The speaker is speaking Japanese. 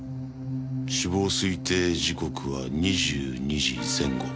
死亡推定時刻は２２時前後。